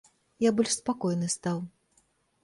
Я больш спакойны стаў.